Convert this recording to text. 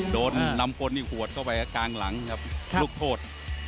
โดนนำพลนี่หัวเข้าไปกลางหลังครับลูกโทษ